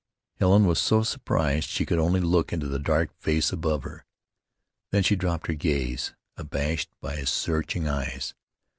Helen was so surprised she could only look into the dark face above her. Then she dropped her gaze, abashed by his searching eyes.